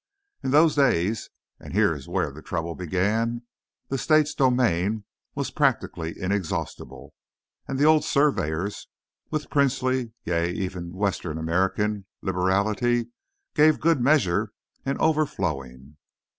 In those days—and here is where the trouble began—the state's domain was practically inexhaustible, and the old surveyors, with princely—yea, even Western American—liberality, gave good measure and over flowing.